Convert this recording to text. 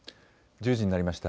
１０時になりました。